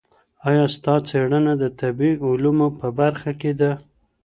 ایا ستا څېړنه د طبعي علومو په برخه کي ده؟